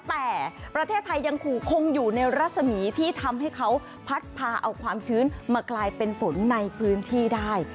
แต่ประเทศไทยยังคงอยู่ในรัศมีที่ทำให้เขาพัดพาเอาความชื้นมากลายเป็นฝนในพื้นที่ได้